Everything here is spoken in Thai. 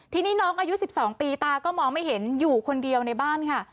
ทีนี้น้องอายุ๑๒ปีตาก็มองไม่เห็นอยู่คนเดียวในบ้านค่ะ